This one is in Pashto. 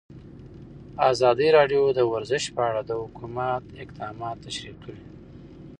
ازادي راډیو د ورزش په اړه د حکومت اقدامات تشریح کړي.